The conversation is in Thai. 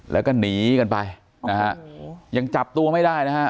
แล้วก็หนีกันไปนะฮะยังจับตัวไม่ได้นะฮะ